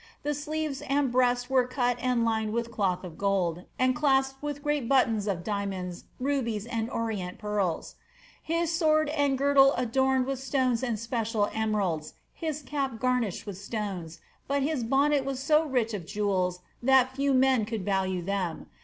The sleeves and breast were cut and lined with cloth of gold, and clasped with great buttons of diamonds, rubies, and orient pearls; his sword and girdle adorned with stones and special emeralds, his cap garnished with stones, but his bonnet was so rich of jewels that few men could value them.